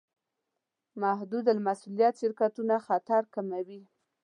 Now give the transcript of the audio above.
محدودالمسوولیت شرکتونه خطر کموي.